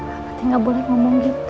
abah tidak boleh ngomong gitu